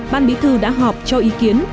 ban bí thư đã họp cho ý kiến